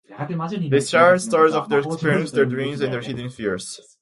They shared stories of their experiences, their dreams, and their hidden fears.